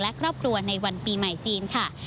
และครอบครัวในวันปีใหม่จีนค่ะ